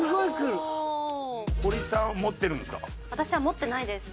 堀さんは持ってるんですか？